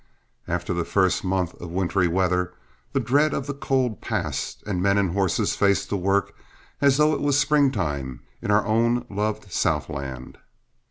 After the first month of wintry weather, the dread of the cold passed, and men and horses faced the work as though it was springtime in our own loved southland.